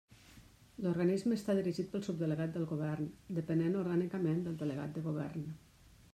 L'organisme està dirigit pel subdelegat del Govern, depenent orgànicament del delegat del Govern.